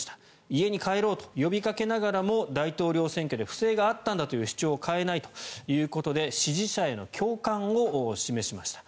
家に帰ろうと呼びかけながらも大統領選挙で不正があったんだという主張を変えないということで支持者への共感を示しました。